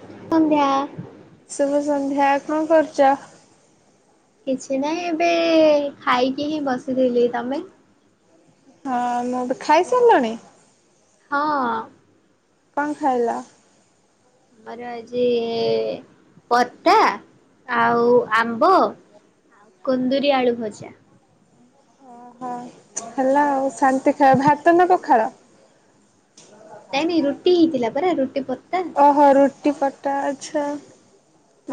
[unintelligible] ଶୁଭ ସନ୍ଧ୍ୟା, କଣ କରୁଛ? କିଛି ନାହିଁ ଏବେ ଖାଇକି ହିଁ ବସିଥିଲି ତମେ? ହଁ ମୁ ତ ଖାଇସାରିଲଣି? ହଁ ଅଁ କଣ ଖାଇଲ? ଆରେ ଆଜି ପତା ଆଉ ଆମ୍ବ ଆଉ କୁନ୍ଦୁରି ଆଳୁ ଭଜା। ହଁ ହେଲା ଆଉ ଶାନ୍ତି ଖେଳ ଭାତ ନା ପଖାଳ। ନାଇଁ ନାଇଁ ରୁଟି ହେଇଥିଲା ପରା ରୁଟି ପତା। ଓହୋ ରୁଟି ପଟା ଅଛ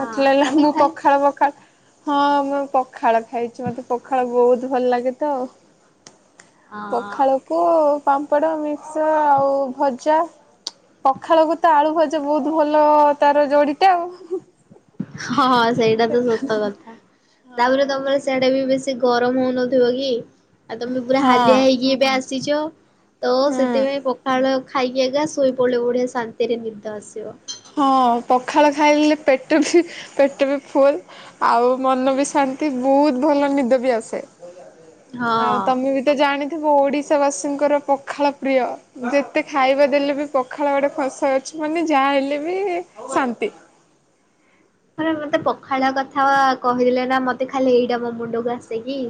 ହଁ ମତଲ ହେଲା ତମେ ମୁଁ ଖାଇ ପଖାଳ ପଖାଳ। ହଁ ମୁଁ ପଖାଳ ଖାଇଛି ମତେ ପଖାଳ ବହୁତ ଭଲ ଲାଗେ ତ। ହଁ ପଖାଳକୁ ପାମ୍ପଡ଼ ମିକ୍ସ ଆଉ ଭଜା। ପଖାଳକୁ ତ ଆଳୁ ଭଜ ବହୁତ ଭଲ ତାର ଯୋଡିଟା ଆଉ। ହଁ ସେଇଟା ତ ସତ କଥା ତାପରେ ତମର ହଁ ସେଇଆଟା ବି ବେଶୀ। ସେ ଗରମ ହଉନଥିବ କି ଆଉ ତମେ ପୁରା ହଁ ହାଲିଆ ହେଇକି ଏବେ ଆସିଛ। ତ ହୁଁ। ସେଥିପାଇଁ ପଖାଳ ଖାଇକି ଆଗା ଶୋଇପଡିବ ବଢିଆ ଶାନ୍ତିରେ ନିଦ ଆସିବ। ହଁ ପଖାଳ ଖାଇଲେ ପେଟ ବି ପେଟ ବି ଫୁଲ୍। ଆଉ ମନ ବି ଶାନ୍ତି ବହୁତ ଭଲ ନିଦ ବି ଆସେ ଆଉ ହଁ। ତମେ ବି ତ ଜାଣିଥିବ ଓଡ଼ିଶାବାସୀଙ୍କର ପଖାଳ ପ୍ରିୟ। ଯେତେ ଖାଇବା ଦେଲେ ବି ପଖାଳ ଗଟେ କଂସା ଅଛି ମାନେ ଯାହା ହେଲେ ବି ଶାନ୍ତି। ହଁ ରେ ମତେ ପଖାଳ କଥା କହିଦେଲେ ନା ମତେ ଖାଲି ଏଇଟା ମୋ ମୁଣ୍ଡକୁ ଆସେ କିି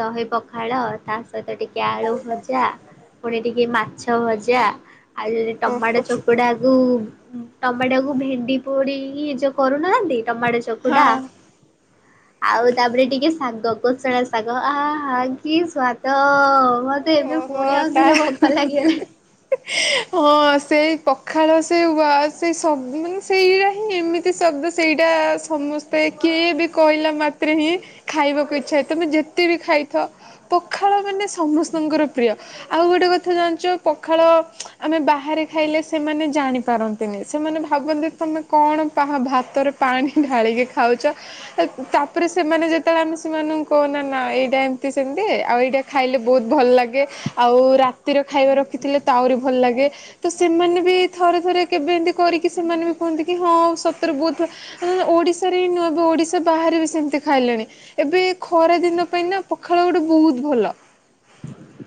ଦହି ପଖାଳ ତା ସହିତ ଟିକେ ଆଳୁ ଭଜା। ଫୁଣି ଟିକେ ମାଛ ଭଜା। ଆଉ ଯଦି ଟମାଟୋ ଓହୋ ଚକଟା କୁ ଟମାଟୋ କୁ ଭେଣ୍ଡି ପୋଡିିକି ଚ କରୁନାହାନ୍ତି ଟମାଟ ଚକୁଟା ହଁ ଆଉ ତାପରେ ଟିକେ ଶାଗ କୋଶଳା ଶାଗ ଆହା କି ସ୍ଵାଦ। ମୋତେ ଏବେ ଓହୋ ଫୁଣି ଆଉଥରେ ତା ଭୋକ ଲାଗିଲାଣି। ହଁ ସେଇ ପଖାଳ ସେ ବା ସେଇ ଶବଦ ମାନେ ସେଇଟା ହିଁ ଏମିତି ଶବ୍ଦ ସେଇଟା ସମସ୍ତେ କିଏ ବି କହିଲା ମାତ୍ରେ ହିଁ ଖାଇବାକୁ ଇଚ୍ଛା ହୁଏ ତୁମେ ଯେତେ ବିି ଖାଇଥାଅ ପଖାଳ ମାନେ ସମସ୍ତଙ୍କର ପ୍ରିୟ ଆଉ ଗୋଟେ କଥା ଜାଣିଚ ପଖାଳ ଆମେ ବାହାରେ ଖାଇଲେ ସେମାନେ ଜାଣିପାରନ୍ତି ତିନି ସେମାନେ ଭାବନ୍ତି ତମେ କଣ ପା ଭାତରେ ପାଣି ଢାଳିକି ଖାଉଚ ଅ ତାପରେ ସେମାନେ ଯେତେବେଳେ ଆମେ ସେମାନଙ୍କୁ କହୁନା ନା ଏଇଟା ଏମତି ସେମିତି ଆଉ ଏଇଟା ଖାଇଲେ ବହୁତ ଭଲ ଲାଗେ ଆଉ ରାତିରେ ଖାଇବା ରଖିଥିଲେ ଆହୁରି ଭଲ ଲାଗେ ତ ସେମାନେ ବି ଥରେ ଥରେ କେବେ ଏମିତି କରିକି ସେମାନେ ବି କୁହନ୍ତି କି ହଁ ଶତରେ ବହୁତ ଲ ଓଡିଶାରେ ନୁହେ ଏବ ଓଡିଶା ବାହାରେ ବି ସେମିତି ଖାଇଲେଣି ଏବେ ଖରା ଦିନ ପାଇଁ ନା ପଖାଳ ଗୋଟେ ବହୁତ ଭଲ।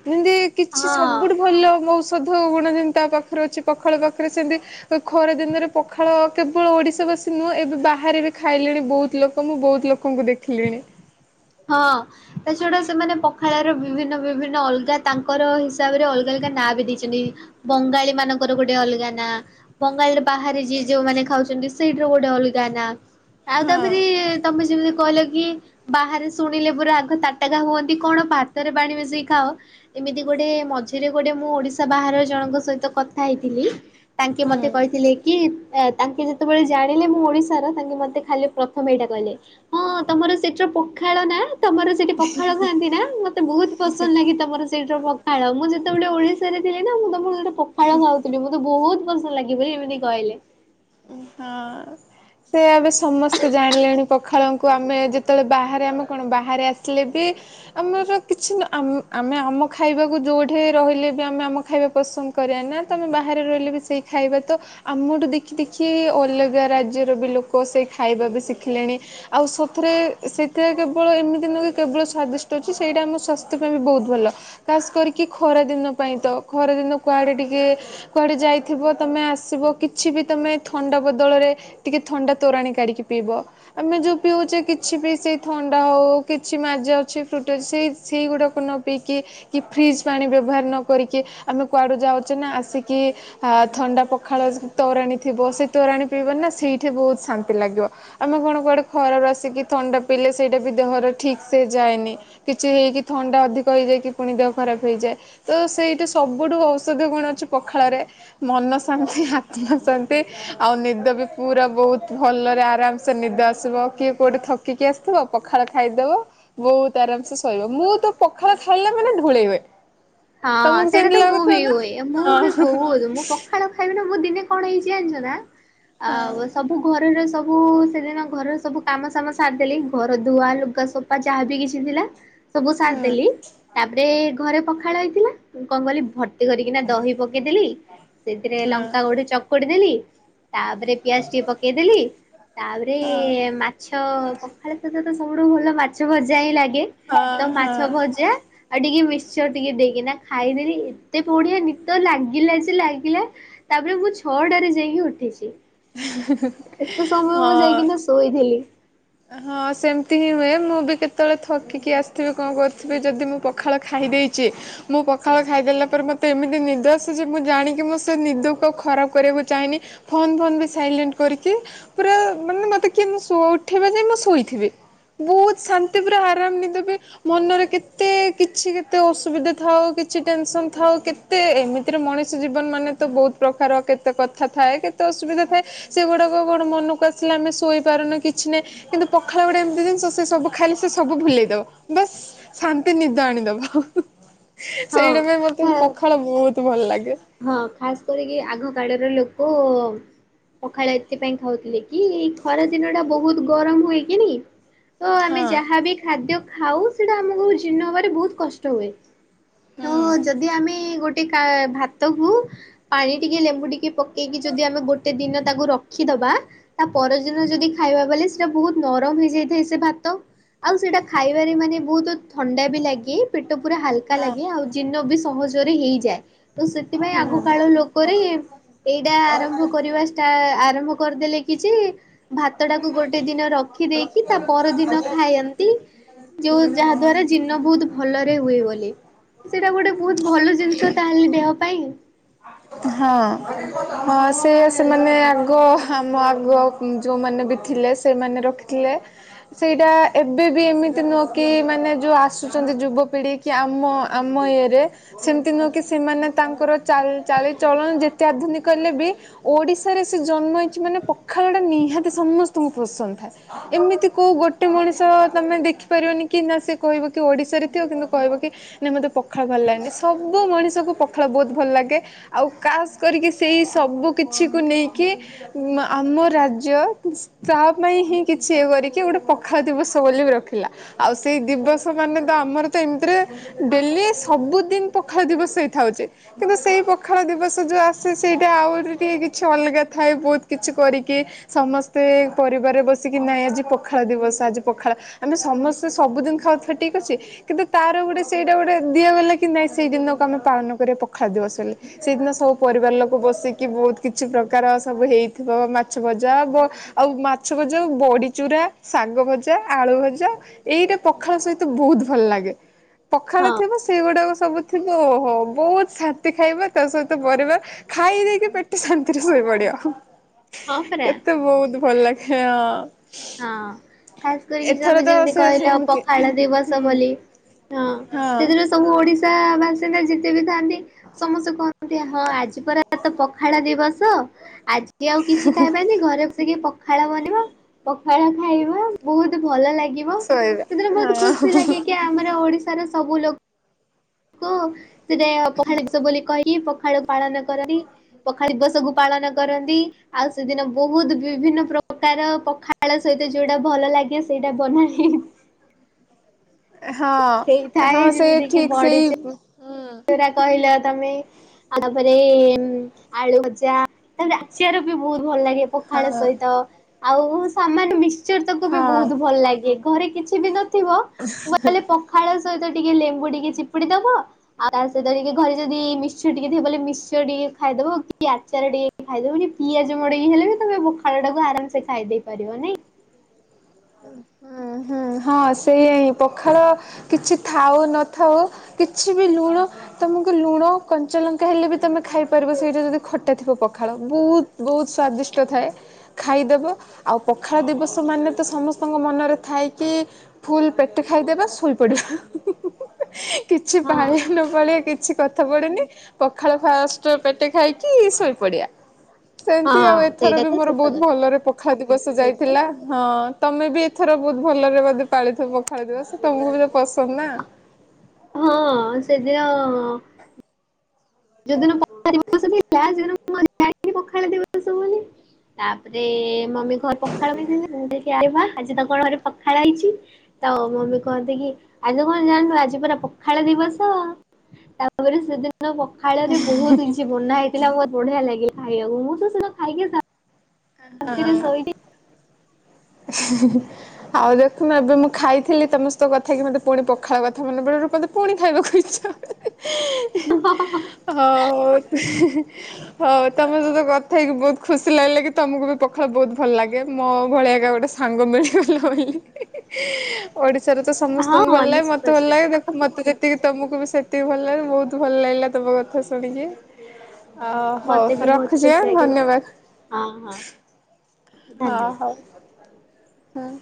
ଯେମିତି କିଛି ହଁ। ସବୁଠୁ ଭଲ ଔଷଧ ଗୁଣ ଯେମିତି ତା ପାଖରେ ଅଛି ପଖାଳ ପାଖରେ ସେମିତି ଖରା ଦିନରେ ପଖାଳ କେବଳ ଓଡିଶା ବାସୀ ନୁହଁ ଏବେ ବାହାରେ ବି ଖାଇଲେଣି ବହୁତ ଲୋକ ମୁଁ ବହୁତ ଲୋକ ଲୋକଙ୍କୁ ଦେଖିଲିଣି। ହଁ। ତା ଛଡା ସେମାନେ ପଖାଳର ବିଭିନ୍ନ ବିଭିନ୍ନ ଅଲଗା ତାଙ୍କର ହିସାବରେ ଅଲଗା ଅଲଗା ନାଁ ବି ଦେଇଚନ୍ତି ବଙ୍ଗାଳୀ ମାନଙ୍କର ଗୋଟେ ଅଲଗା ନା ବଙ୍ଗାଳି ରେ ବାହାରେ ଯିଏ ଯୋଉମାନେ ଖାଉଚନ୍ତି ସେଇଠିର ଗୋଟେ ଅଲଗା ନା। ଆଉ ହଁ ତାପରେ ତମେ ଯେମିତି କହିଲ କି ବାହାରେ ଶୁଣିଲେ ପୁରା ଆଗ ତାଟକା ହୁଅନ୍ତି କଣ ଭାତରେ ପାଣି ମିଶେଇ ଖାଅ ଏମିତି ଗୋଟେ ମଝିରେ ଗୋଟେ ମୁଁ ଓଡିଶା ବାହାର ଜଣଙ୍କ ସହିତ କଥା ହେଇଥିଲି ତାଙ୍କେ ମତେ ହୁଁ। କହିଥିଲେ କି ତାଙ୍କେ ଯେ ସେତେବେଳେ ଜାଣିଲେ ମୁଁ ଓଡିଶାର ତାଙ୍କେ ମତେ ଖାଲି ପ୍ରଥମେ ଏଇଟା କହିଲେ ହଁ ତମର ସେଇ ଜୋ ପ ପଖାଳ ନା ତମର ସେଇଠି ପଖାଳ ଖାଆନ୍ତି ନା ମତେ ବହୁତ ପସନ୍ଦ ଲାଗେ ତମର ସେଇଠି ପଖାଳ ମୁଁ ଯେତେ ବେଳେ ଓଡିଶାରେ ଥିଲି ନା ମୁଁ ତମର ସେଠି ପଖାଳ ଖାଉଥିଲି ମତେ ବହୁତ ପସନ୍ଦ ଲାଗେ ବୋଲି ଏମିତି କହିଲେ। ହଁ ସେ ଏବେ ସମସ୍ତେ ଜାଣିଲେଣି ପଖାଳ କୁ ଆମେ ଯେତେବେଳେ ବାହାରେ ଆମେ କଣ ବାହାରେ ଆସିଲେ ବି ଆମର କିଛି ନା ଆମେ ଆମ ଖାଇବାକୁ ଯୋଉଠି ରହିଲେ ବି ଆମେ ଆମ ଖାଇବା ପସନ୍ଦ କରିବା ନା ତ ଆମେ ବାହାରେ ରହିଲେ ବି ସେଇ ଖାଇବା ତ ଆମଠୁ ଦେଖ ଦେଖି ଦେଖି ଅଲଗା ରାଜ୍ୟର ବି ଲୋକ ସେ ଖାଇବା ବି ଶିଖିଲେଣି ଆଉ ସଥରେ ସେଥିରେ କେବଳ ଏମିତି ନୁହୁ କେବଳ ସ୍ଵାଦିଷ୍ଟ ଅଛି ସେଇଟା ଆମ ସ୍ୱାସ୍ଥ୍ୟ ପାଇଁ ବି ବହୁତ ଭଲ। ଖାସ କରିକି ଖରାଦିନ ପାଇଁ ତ ଖରାଦିନ କୁଆଡେ ଟିକେ କୁଆଡେ ଯାଇଥିବ ତମେ ଆସିବ କିଛି ବି ତମେ ଥଣ୍ଡା ବଦଳରେ ଟିକେ ଥଣ୍ଡାତୋରାଣି କାଢିକି ପିଇବ ଆମେ ଯୋଉ ପିଉଚେ କିଛି ବି ସେଇ ଥଣ୍ଡା ହଉ କିଛି ମାଜ ଅଛି ଫ୍ରୁଟି ଅଛି ସେଇ ସେଇଗୁଡାକ ନା ପିଇକି କି ଫ୍ରିଜ୍ ପାଣି ବ୍ୟବହାର ନ କରିକି ଆମେ କୁଆଡ଼ୁ ଯାଉଚେ ନା ଆସିକି ଆ ଥଣ୍ଡା ପଖାଳ ତୋରାଣୀ ଥିବ ସେଇ ତୋରାଣୀ ପିଇବନା ନା ସେଇଠି ବହୁତ ଶାନ୍ତି ଲାଗିବ। ଆମେ କଣ କୁଆଡ଼େ ଖରାପ ଆସିକି ଥଣ୍ଡା ପିଇଲେ ସେଇଟା ବି ଦେହର ଠିକ୍ ସେ ଯାଏନି କିଛି ହେଇକି ଥଣ୍ଡା ଅଧିକ ହେଇଯାଇକି ପୁଣି ଦେହ ଖରାପ ହେଇଯାଏ। ତ ସେଇଟା ସବୁଠୁ ଔଷଧ ଗୁଣ ଅଛି ପଖାଳରେ ମନ ଶାନ୍ତି ଆତ୍ମା ଶାନ୍ତ। ନ୍ତୀ ଆଉ ନିଦ ବି ପୁରା ବହୁତ ଭଲରେ ଆରାମସେ ନିଦ ଆସିବ କିଏ କୋଉଠି ଥ କିକି ଆସିଥିବ ପଖାଳ ଖାଇଦେବ ବହୁତ ଆରାମ ସେ ଶୋଇବ। ମୁଁ ତ ପଖାଳ ଖାଇଲା ମାନେ ଢୁଳେଇବେ। ହଁ ସେଇଟା ତ ମୁଁ ବି ହୁଏ ମୁଁ ବି ହଁ ବହୁତ ମୁଁ ପଖାଳ ଖ ଖାଇବି ନା ମୁଁ ଦିନେ କଣ ହେଇଛି ଜାଣିଛ ନା ଆଉ ସବୁ ଘରର ସବୁ ମୁଁ ସେଦିନ ଘରର ସବୁ କାମ ସାମ ସାରିଦେଲି। ଘର ଧୁଆ ଲୁଗା ସଫା ଯାହାବି କିଛି ଥିଲା। ସବୁ ହଁ ହଁ ହଁ ସାରିଦେଲି ତାପରେ ଘରେ ପଖାଳ ହେଇଥିଲା କଣ କଲି ଭ ତି କରିକିନା ଦହି ପକେଇଦେଲି ସେଥିରେ ଲଙ୍କା ଗୋଟେ ଚକୁଡି ଦେଲି ତାପରେ ପିଆଜ ଟିକେ ପକେଇଦେଲି ତାପରେ ମାଛ ପଖାଳ ସହିତ ତ ଶ ସବୁଠୁ ଭଲ ମାଛ ଭଜା ହିଁ ଲାଗେ ହଁ ତ ହଁ ମାଛ ହଁ ଭଜା ଆଉ ଟିକେ ମିକ୍ସଚର ଟିକେ ଦେଇକିନା ଖାଇଦେଲି ଏତେ ବଢିଆ ନିଦ ଲାଗିଲା ଯେ ଲାଗିଲା ତାପରେ ମୁଁ ଛଅଟାରେ ଯାଇକି ଉଠିଛି। ହିଁ ହିଁ ହିଁ। ଏତେ ସମୟ ମୁଁ ଯାଇକିନା ଶୋଇଥିଲି। ହଁ ସେମିତି ହିଁ ହୁଏ ମୁଁ ବି କେତେବେଳେ ଥକିକି ଆସିଥିବି କଣ କରୁଥିବି ଯଦି ମୁଁ ପଖାଳ ଖାଇ ଦେଇଛି ମୁଁ ପଖାଳ ଖାଇଦେଲା ପରେ ମୋତେ ଏମିତି ନିଦ ଆସେ ଯେ ମୁଁ ଜାଣିକି ମୁଁ ସେ ନିଦକୁ ଆଉ ଖରାପ କରିବାକୁ ଚାହେଁନି ଫୋନ ଫୋନ ବି ସାଇଲେଣ୍ଟ କରିକି ପୁରା ମାନେ ମତେ କିଏ ନ ସୋ ଉଠେଇବା ଯାଏ ମୁଁ ଶୋଇଥିବି। ବହୁତ ଶାନ୍ତି ପୁରା ଆରାମ ନିଦ ବି ମନରେ କେତେ କିଛି କେତେ ଅସୁବିଧା ଥାଉ କିଛି ଟେନସନ ଥାଉ କେ ତେ ଏମିତିରେ ମଣିଷ ଜୀବନ ମାନେ ତ ବହୁତ ପ୍ରକାର କେତେ କଥା ଥାଏ କେତେ ଅସୁବିଧା ଥାଏ ସେଗୁଡାକ କଣ ମନକୁ ଆସିଲେ ଆମେ ଶୋଇପାରୁନୁ କି କିଛି ନାହିଁ କିନ୍ତୁ ପଖାଳ ଗୋଟେ ଏମତି ଜିନିଷ ସେ ସବୁ ଖାଇଲେ ସେ ସବୁ ଭୁଲେଇ ଦବ ବାସ୍ ଶାନ୍ତି ନିଦ ଆଣିଦବ ହଁ ସେଇଟା ପାଇଁ ମତେ ପଖାଳ ବହୁତ ଭଲ ଲାଗେ। ହଁ ଖାସ କରିକି ଆଗ କାଳର ଲୋକ ପଖାଳ ଏଥିପାଇଁ ଖାଉଥିଲେ କି ଏଇ ଖରା ଦିନ ଟା ବହୁତ ଗରମ ହୁଏ କି ତ ଆମେ ହଁ ଯାହାବି ଖାଦ୍ୟ ଖାଉ ସେଟା ଆମକୁ ଜୀର୍ଣ ହବାରେ ବହୁତ କଷ୍ଟ ହୁଏ ତ ହୁଁ ଯଦି ଆମେ ଗୋଟେ କା ଭାତକୁ ପାଣି ଟିକେ ଲେମ୍ବୁ ଟିକେ ପ କେଇକି ଯଦି ଆମେ ଗୋଟେ ଦିନ ତାକୁ ରଖିଦବା ତା ପରଦିନ ଯଦି ଖାଇବା ବଲେ ସେଟା ବହୁତ ନରମ ହେଇଯାଇଥାଏ ସେ ଭାତ ଆଉ ସେଇଟା ଖାଇବାରେ ମାନେ ବହୁତ ଥଣ୍ଡା ବି ଲାଗେ। ପେଟ ପୁରା ହାଲକା ହଁ ଲାଗେ ଆଉ ଜୀର୍ଣ୍ଣ ବି ସହଜରେ ହେଇଯାଏ। ତ ସେଥିପାଇଁ ଆଗ ହୁଁ କାଳ ଲୋକରେ ଏଇଟା ଆରମ୍ଭ କରିବା ଷ୍ଟା ଆରମ୍ଭ କରିଦେଲେ କି କିଛି ଭାତ ଟାକୁ ଗୋଟେ ଦିନ ରଖି ଦେଇକି ତା ପରଦିନ ଖାୟନ୍ତି ଯୋଉ ଯାହା ଦ୍ଵାରା ଜୀର୍ଣ୍ଣ ବହୁତ ଭଲରେ ହୁଏ ବୋଲି। ସେଇଟା ଗୋଟେ ବହୁତ ଭଲ ଜିନିଷ ତାହେଲେ ଦେହ ପାଇଁ ହଁ ହଁ ସେ ସେମାନେ ଆଗ ଆମ ଆଗ ଯେଉଁମାନେ ବି ଥିଲେ ସେଇମାନେ ରଖିଥିଲେ ସେଇଟା ଏବେ ବି ଏମିତି ନୁହଁ କି ମାନେ ଯୋଉ ଆସୁଛନ୍ତି ଯୁବପିଢି କି ଆମ ଆମ ଇଏରେ ସେମତି ନୁହେଁ କି ସେମାନେ ତାଙ୍କର ଚାଲ ଚାଳି ଚଳନି ଯେତେ ଆଧୁନିକ ହେଲେ ବି ଓଡ଼ିଶାରେ ସେ ଜନ୍ମ ହେଇଛି ମାନେ ପଖାଳଟା ନିହାତି ସମସ୍ତ ସ୍ତଙ୍କୁ ପସନ୍ଦ ଥାଏ। ଏମିତି କୋଉ ଗୋଟେ ମଣିଷ ତମେ ଦେଖିପାରିବନି କି ନା ସେ କହିବ କି ଓଡିଶାରେ ଥିବ କିନ୍ତୁ କହିବ କି ନା ମତେ ପଖାଳ ଭଲ ଲାଗେନି। ସବୁ ମଣିଷକୁ ପଖାଳ ବହୁତ ଭଲ ଲାଗେ ଆଉ କାସ୍ କରିକି ସେଇ ସବୁ କିଛିକୁ ନେଇକି ମ୍ ଆମ ରାଜ୍ୟ ତା ପାଇଁ ହିଁ କିଛି ଇଏ କରିକି ଗୋଟେ ପଖାଳ ଦିବସ ବୋଲି ବି ରଖିଲା। ଆଉ ସେଇ ଦିବସ ମାନେ ତ ଆମର ତ ଏମିତିରେ ଡେଲି ସବୁଦିନ ପଖାଳ ଦିବସ ହେଇଥାଉଛି କିନ୍ତୁ ସେଇ ପଖ ପାଖଳ ଦିବସ ଯେଉଁ ଆସେ ସେଇଟା ଆହୁରି ଟିକେ କିଛି ଅଲଗା ଥାଏ ବହୁତ କିଛି କରିକି ସମସ୍ତେ ପରିବାର ବସିକି ନାଇଁ ଆଜି ପଖାଳ ଦିବସ ଆଜି ପଖାଳ ଆମେ ସମସ୍ତେ ସବୁଦିନ ଖାଉଥିବା ଠିକ ଅଛି। କିନ୍ତୁ ତାର ଗୋଟେ ସେଇଟା ଗୋଟେ ଦିଆଗଲା କି ନାଇଁ ସେଇ ଦିନକୁ ଆମେ ପାଳନ କରିବା ପଖାଳ ଦିିବସ ଲେ। ସେଇଦିନ ସବୁ ପରିବାର ଲୋକ ବସିକି ବହୁତ କିଛି ପ୍ରକାର ସବୁ ହେଇଥିବ ମାଛ ଭଜା ଆଉ ମାଛ ଭଜାଉ ବଡ଼ିଚୁରା ଶାଗ ଭଜା ଆଳୁ ଭଜା ଏଇଟା ପଖାଳ ସହିତ ବହୁତ ଭଲ ଲାଗେ। ପଖାଳ ହଁ ଥିବ ସେଇଗୁଡାକ ସବୁ ଥିବ ଓହୋ ବହୁତ ସାନ୍ତି ଖାଇବା ତା ସହିତ ପରିବାର ଖାଇଦେଇକି ପେଟ ଶାନ୍ତିରେ ଶୋଇ ପଡିବ। ହଁ ପରା। କେତେ ବହୁତ ଭଲ ଲାଗେ ହଁ। ହଁ ଖାସ କରିକି ଏଥର ତମେ ତ ଯେମିତି ସେ କହିଲ ଆଉ ସେମିତି ପଖାଳ ଦିବସ ହୁଁ ବୋଲି ହଁ ସେଥିରୁ ସବୁ ଓଡିଶା ବାସି ନା ଯେତେ ବି ଥାନ୍ତି ସମସ୍ତେ କୁହନ୍ତି ହଁ ଆଜି ପରା ତ ପଖାଳ ଦିବସ ଆଜି କିିଏ ଆଉ କିଛି ଖାଇବାନି ଘରେ ବସିକି ପଖାଳ ବନିବ ପଖାଳ ଖାଇବା ବହୁତ ଭଲ ଲାଗିବ ସେଥିରେ ଶୋଇବା ବହୁତ ହଁ ଖୁସି ଲାଗେ କି ଆମର ଓଡିଶା ସର ସବୁ ଲୋକ କୁ ସେଟା ପଖାଳ ଦିବସ ବୋଲି କହି ପଖାଳ ପାଳନ କରନ୍ତି। ପଖା ଦିବସକୁୁ ପାଳନ କରନ୍ତି। ଆଉ ସେଦିନ ବହୁତ ବିଭିନ୍ନ ପ୍ରକାର ପଖାଳ ସହିତ ଯୋଉଟା ଭଲ ଲାଗେ ସେଇଟା ବନେଇ ହଁ ହେଇଥାଏ ହଁ ସେ ଠିକ ସେଇ ଯୋଉଟା କହିଲ ତମେ ଆଉ ତାପରେ ଆଳୁ ଭଜା ତାରେ ଆଚାର ବି ବହୁତ ଭଲ ଲାଗେ। ହଁ ପଖାଳ ସହିତ ଆଉ ସାମାନ ମିକ୍ସଚର ତାକୁ ବି ହଁ। ବହୁତ ଭଲ ଲାଗେ ଘରେ କିଛି ବି ନ ଥିବହେଲେ ପଖାଳ ସହିତ ଟିକେ ଲେମ୍ବୁ ଟିକେ ଚିପୁଡି ଦବ ଆଉ ତା ସହିତ ଟିକେ ଘରେ ଯଦି ମିଶଚର୍ ଟିକେ ଥିବ ବଲେ ମିଶ ଟିକେ ଖାଇଦବ କି ଆଚାର ଟିକେ ଖାଇଦବନି ପିଆଜ ମଡ଼େଇକି ହେଲେ ବି ତମେ ପଖାଳ ଟାକୁ ଆରାମସେ ଖାଇଦେଇ ପାରିବ ନାଇଁ। ହୁଁ ହୁଁ ହଁ ସେଇ ପଖାଳ କିଛି ଥାଉ ନଥାଉ କିଛି ବି ଲୁଣ ତୁମକୁ ଲୁଣ କଞ୍ଚାଲଙ୍କା ହେଲେ ବି ତମେ ଖାଇପାରିବ ସେଇଟା ଯଦି ଖଟା ଥିବ ପଖାଳ ବହୁତ ବହୁତ ସ୍ଵାଦିଷ୍ଟ ଥାଏ ଖାଇଦେବ ଆଉ ପଖାଳ ଦିବସ ମାନେ ତ ସମସ୍ତେ ଆପଙ୍କ ମନରେ ଥାଇକି ଫୁଲ ପେଟ ଖାଇଦେବା ଶୋଇ ପଡିବା [unintelligible] କିଛି ହଁ ପାଳିଆ ନ ପାଳିଆ କି କିଛି କଥା ପଡୁନି ପଖାଳ ଫାଷ୍ଟ ପେଟ ଖାଇକି ଶୋଇପଡିଆ ସେମିତି ହଁ ଆଉ ଏଥର ସେଇଟା ବି ତ ମୋର ସତ ବହୁତ କଥା। ଭଲରେ ପଖାଳ ଦିବସ ଯାଇଥିଲା ହଁ। ତମେ ବି ଏଥର ବହୁତ ଭଲରେ ବୋଧେ ପାଳିଥିବ ପଖାଳ ଦିବସ ତମକୁ ବି ତ ପସନ୍ଦ ନା। ହଁ ସେଦିନ ଯୋ ଦିନ ପଖାଳ ଦିବସ ଥିଲା ସେ ଦି ପଖାଳ ଦିବସ ବୋଲି ସବୁ ତାପରେ ମମି ଘର ପଖାଳ ବି [unintelligible] ଆଜି ତ କଣ ଘରେ ପଖାଳ ହେଇଛି। ତ ମମି କହନ୍ତି କି ଆଜି ତ କଣ ଜାଣିନୁ ଆଜି ପରା ପଖାଳ ଦିବସ ତାପରେ ସେଦିନ ପଖାଳରେ ବହୁତ କିଛି ବନା ହେଇଥିଲା ବହୁତ ବଢିଆ ଲାଗିଲା। ଖାଇବାକୁ ମୁଁ ତ ସେଇଟା ଖାଇକି ଶାନ୍ତିରେ [unintelligible] ଶୋଇଛି [unintelligible] ଆଉ ଦେଖୁନ ଏବେ ମୁଁ ଖାଇଥିଲି ତମସ୍ତଙ୍କ କଥା କି ମତେ ପୁଣି ପଖାଳ କଥା ମନେ ପଳିବ ମୋତେ ପୁଣି ଖାଇକୁ ଇଚ୍ଛା ହଁ [unintelligible] ଅ ତମ ସହିତ କଥା ହେଇକି ବହୁତ ଖୁସି ଲାଗିଲା କି ତମକୁ ବି ପଖାଳ ବହୁତ ଭଲ ଲାଗେ ମୋ ଭଳିଆ ଗୋଟେ ସାଙ୍ଗ ମିଳିଗଲା ବୋଲି ଓଡିଶାରେ ତ ସମସ୍ତଙ୍କୁ ହଁ ଭଲ ଲାଗେ ନିଶ୍ଚିତ ମତେ ଭଲ ନିଶ୍ଚିତ ଲାଗେ ଦେଖ ମତେ ସେତିକି ତମକୁ ବି ସେତିକି ଭଲ ଲାଗିଲନି ବହୁତ ଭଲ ଲାଗିଲା ତମ କଥା ଶୁଣିକି ଅ ହଉ ମତେ ବି ବହୁତ ରଖୁଛି ଆ ଖୁସି ଲାଗିଲା ଧନ୍ୟବାଦ। ହଁ ହଁ ଅ ଧନ୍ୟବାଦ। ହଉ ହୁଁ।